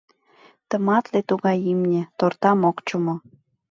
Тыматле тугай имне, тортам ок чумо.